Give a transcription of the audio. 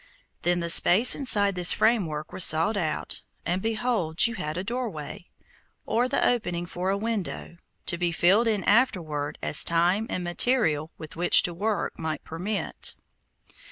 Then the space inside this framework was sawed out, and behold you had a doorway, or the opening for a window, to be filled in afterward as time and material with which to work might permit.